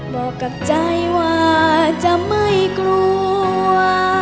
บอกกับใจว่าจะไม่กลัว